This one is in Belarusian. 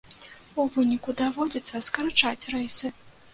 У выніку даводзіцца скарачаць рэйсы.